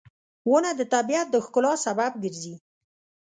• ونه د طبیعت د ښکلا سبب ګرځي.